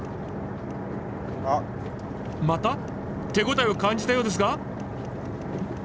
また手応えを感じたようですが？